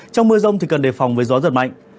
trong mưa rông thì cần đề phòng với gió giật mạnh